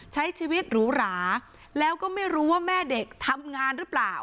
ใช้ชีวิตหรูหราแล้วก็ไม่รู้ว่าแม่เด็กทำงานหรือเปล่า